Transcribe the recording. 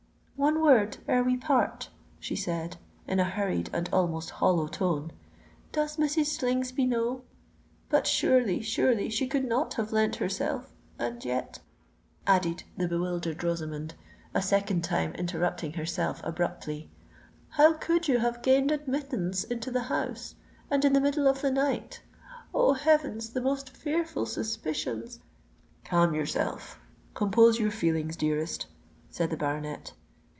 "One word ere we part," she said, in a hurried and almost hollow tone: "does Mrs. Slingsby know——But surely, surely, she could not have lent herself——And yet," added the bewildered Rosamond, a second time interrupting herself abruptly, "how could you have gained admittance into the house, and in the middle of the night? Oh! heavens, the most fearful suspicions——" "Calm yourself—compose your feelings, dearest," said the baronet.